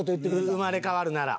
生まれ変わるなら。